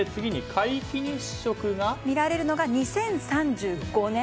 見られるのが２０３５年。